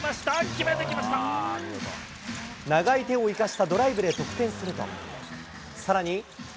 決めてき長い手を生かしたドライブで得点すると、さらに。